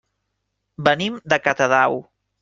Venim de Catadau.